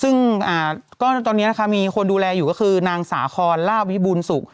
ซึ่งก็ตอนนี้นะคะมีคนดูแลอยู่ก็คือนางสาคอนลาบวิบูรณสุข